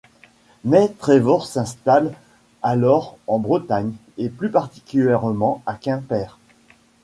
Mais Trevor s'installe alors en Bretagne et plus particulièrement à Quimper.